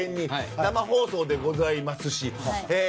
生放送でございますし。